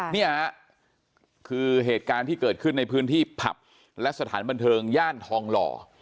นี่ฮะคือเหตุการณ์ที่เกิดขึ้นในพื้นที่ผับและสถานบันเทิงย่านทองหล่อ